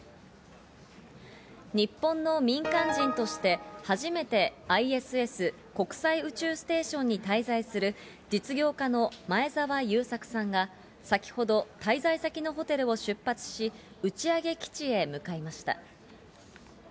日本の民間人として初めてＩＳＳ＝国際宇宙ステーションに滞在する実業家の前澤友作さんが先ほど滞在先のホテルを出発し、打ち上げ基地へ向かいました。